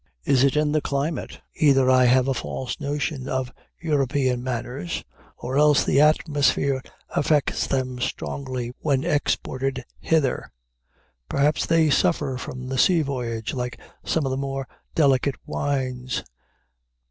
Is it in the climate? Either I have a false notion of European manners, or else the atmosphere affects them strangely when exported hither. Perhaps they suffer from the sea voyage like some of the more delicate wines.